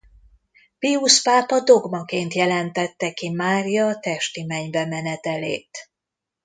Piusz pápa dogmaként jelentette ki Mária testi mennybemenetelét.